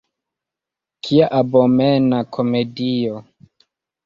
Kia abomena komedio!